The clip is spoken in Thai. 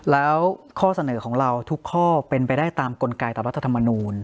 แล้วข้อเสนอของเราทุกข้อเป็นไปได้ตามกลไกตามรัฐธรรมนูล